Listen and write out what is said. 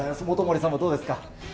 元森さんもどうですか？